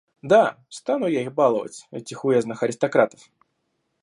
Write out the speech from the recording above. Да, стану я их баловать, этих уездных аристократов!